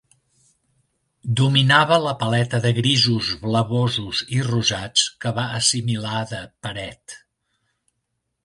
Dominava la paleta de grisos blavosos i rosats que va assimilar de Paret.